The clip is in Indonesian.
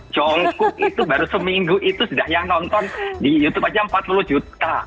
jongkuk itu baru seminggu itu sudah yang nonton di youtube aja empat puluh juta